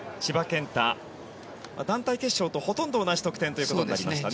団体決勝とほとんど同じ得点となりましたね。